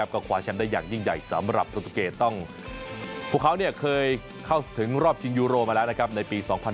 ก็คว้าแชมป์ได้อย่างยิ่งใหญ่สำหรับโปรตูเกตพวกเขาเคยเข้าถึงรอบชิงยูโรมาแล้วนะครับในปี๒๐๑๖